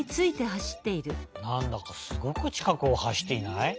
なんだかすごくちかくをはしっていない？